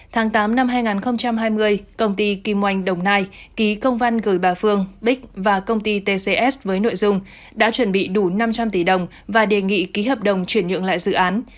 tháng tám năm hai nghìn hai mươi công ty kim oanh đồng nai ký công văn gửi bà phương bích và công ty tcs với nội dung đã chuẩn bị đủ năm trăm linh tỷ đồng và đề nghị ký hợp đồng chuyển nhượng lại dự án